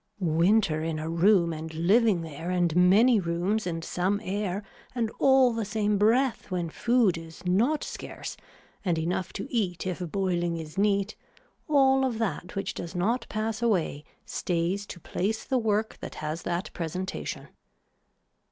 Winter in a room and living there and many rooms and some air and all the same breath when food is not scarce and enough to eat if boiling is neat, all of that which does not pass away stays to place the work that has that presentation.